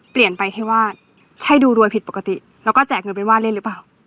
เปลี่ยนไปแค่ว่าใช่ดูรวยผิดปกติแล้วก็แจกเงินไปว่าเล่นหรือเปล่า